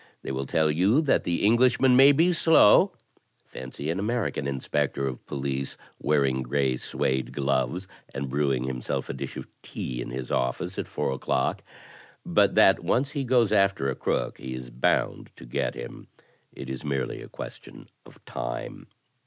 They will tell you that the Englishman may be slow (fancy an American Inspector of Police wearing gray suede 70 THE TECHNIQUE OF THE MYSTERY STORY gloves and brewing himself a dish of tea in his oflSce at four o'clock!), but that once he goes after a crook he is bound to get him — it is merely a question of time.